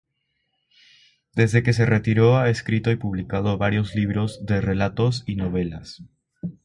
Desde que se retiró ha escrito y publicado varios libros de relatos y novelas.